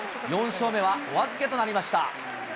４勝目はお預けとなりました。